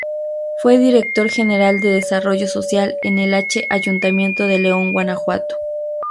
Fue Director General de Desarrollo Social en el H. Ayuntamiento de León, Gto.